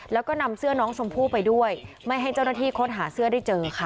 แล้วก็นำเสื้อน้องชมพู่ไปด้วยไม่ให้เจ้าหน้าที่ค้นหาเสื้อได้เจอค่ะ